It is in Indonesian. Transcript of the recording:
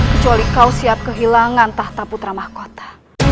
kecuali kau siap kehilangan tahta putra mahkota